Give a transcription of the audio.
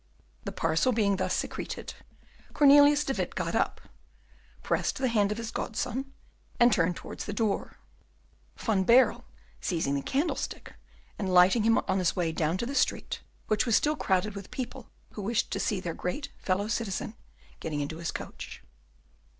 The parcel thus being secreted, Cornelius de Witt got up, pressed the hand of his godson, and turned towards the door, Van Baerle seizing the candlestick, and lighting him on his way down to the street, which was still crowded with people who wished to see their great fellow citizen getting into his coach.